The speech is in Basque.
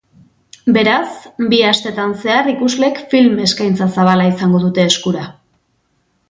Beraz, bi astetan zehar, ikusleek film eskaintza zabala izango dute eskura.